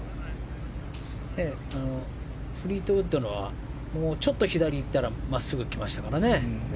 フリートウッドのはちょっと左にいったら真っすぐ来ましたからね。